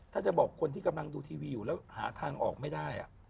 ถ้าจะบอกคนที่กำลังดูทีวีอยู่แล้วหาทางออกไม่ได้